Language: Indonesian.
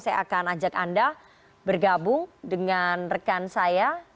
saya akan ajak anda bergabung dengan rekan saya